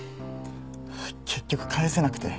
結局返せなくて。